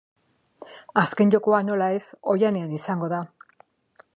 Azken jokoa, nola ez, oihanean izango da.